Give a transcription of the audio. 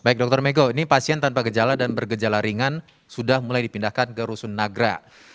baik dokter mega ini pasien tanpa gejala dan bergejala ringan sudah mulai dipindahkan ke rusun nagra